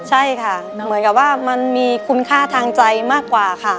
ใช่ค่ะเหมือนกับว่ามันมีคุณค่าทางใจมากกว่าค่ะ